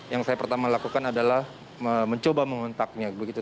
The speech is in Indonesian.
yang saya pertama lakukan adalah mencoba mengontaknya begitu